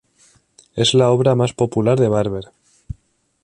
Es la obra más popular de Barber.